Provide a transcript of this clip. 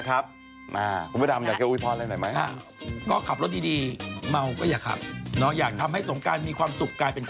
กลายเป็นความทุกข์แล้วกันนะครับพรุ่งนี้กลับมากับขาวใส่ไข่กันต่อนะครับ